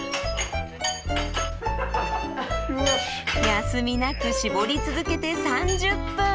休みなく搾り続けて３０分。